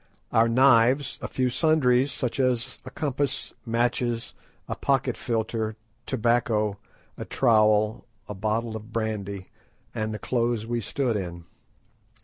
Our knives, a few sundries, such as a compass, matches, a pocket filter, tobacco, a trowel, a bottle of brandy, and the clothes we stood in.